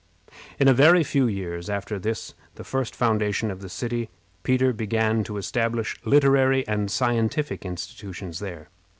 In a very few years after the first foundation of the city, Peter began to establish literary and scientific institutions there.